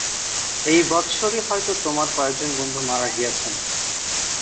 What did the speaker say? এই বৎসরই হয়তো তোমার কয়েকজন বন্ধু মারা গিয়াছেন।